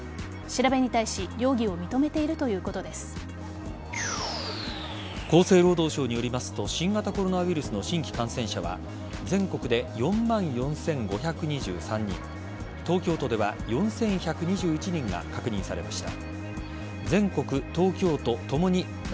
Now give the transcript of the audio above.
調べに対し厚生労働省によりますと新型コロナウイルスの新規感染者は全国で４万４５２３人東京都では４１２１人が確認されました。